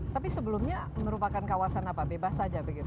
tapi sebelumnya merupakan kawasan apa bebas saja begitu